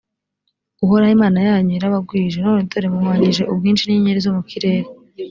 uhoraho imana yanyu yarabagwije, none dore muhwanyije ubwinshi n’inyenyeri zo mu kirere.